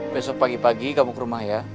besok pagi pagi gabung ke rumah ya